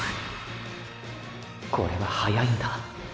これは速いんだ。